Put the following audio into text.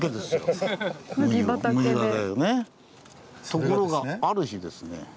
ところがある日ですね。